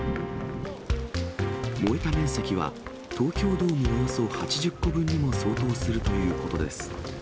燃えた面積は、東京ドームおよそ８０個分にも相当するということです。